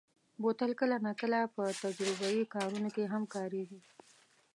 بوتل کله ناکله په تجربهيي کارونو کې هم کارېږي.